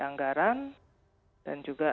anggaran dan juga